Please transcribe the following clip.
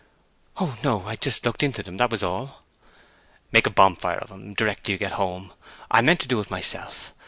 "Oh no—I just looked into them, that was all." "Make a bonfire of 'em directly you get home. I meant to do it myself.